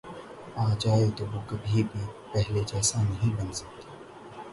آ جائے تو وہ کبھی بھی پہلے جیسا نہیں بن سکتا